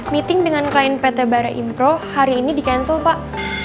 meeting dengan klien pt barai impro hari ini di cancel pak